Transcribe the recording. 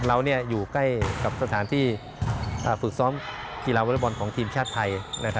เราอยู่ใกล้กับสถานที่ฝึกซ้อมกีฬาวอเล็กบอลของทีมชาติไทย